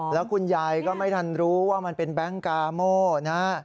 แล้วคุณยายก็ไม่ทันรู้ว่ามันเป็นแบงค์กาโม่นะฮะ